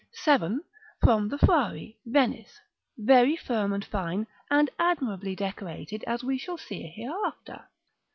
7, from the Frari, Venice, very firm and fine, and admirably decorated, as we shall see hereafter.